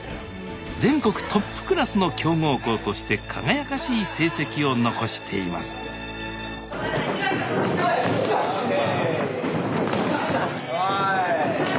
全国トップクラスの強豪校として輝かしい成績を残しています・おい。